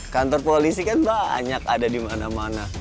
kantor polisi kan banyak ada dimana mana